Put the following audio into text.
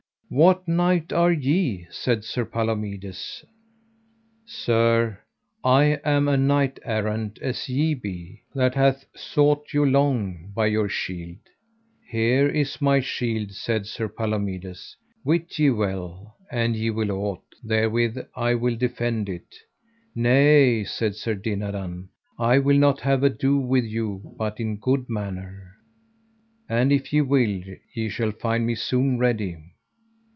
What knight are ye? said Sir Palomides. Sir, I am a knight errant as ye be, that hath sought you long by your shield. Here is my shield, said Sir Palomides, wit ye well, an ye will ought, therewith I will defend it. Nay, said Sir Dinadan, I will not have ado with you but in good manner. And if ye will, ye shall find me soon ready.